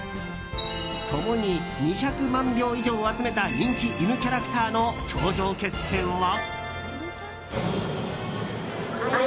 共に２００万票以上を集めた人気犬キャラクターの頂上決戦は。